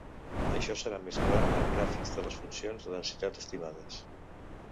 Això serà més clar amb gràfics de les funcions de densitat estimades.